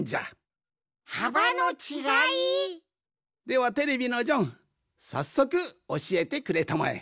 ではテレビのジョンさっそくおしえてくれたまえ。